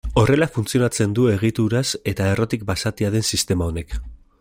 Horrela funtzionatzen du egituraz eta errotik basatia den sistema honek.